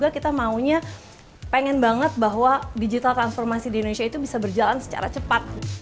kita maunya pengen banget bahwa digital transformasi di indonesia itu bisa berjalan secara cepat